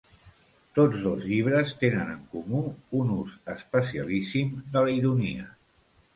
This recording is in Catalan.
Tots dos llibres tenen en comú un ús especialíssim de la ironia.